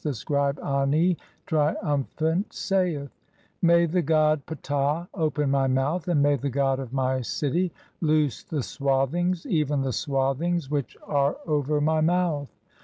The scribe Ani, triumphant, saith :— "May the god Ptah open my mouth, and may the god of my "city loose the swathings, even the swathings which are over "my mouth.